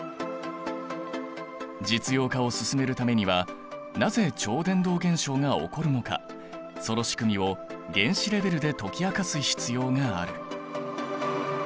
実用化を進めるためにはなぜ超伝導現象が起こるのかその仕組みを原子レベルで解き明かす必要がある。